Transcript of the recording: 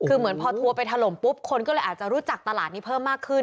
คือเหมือนพอทัวร์ไปถล่มปุ๊บคนก็เลยอาจจะรู้จักตลาดนี้เพิ่มมากขึ้น